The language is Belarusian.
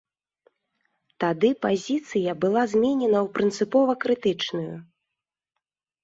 Тады пазіцыя была зменена ў прынцыпова крытычную.